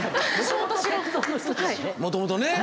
もともとね。